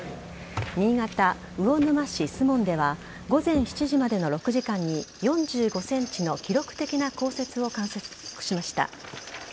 新潟・魚沼市守門では、午前７時までの６時間に４５センチの記録的な降雪を観測しました。